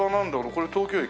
これ東京駅？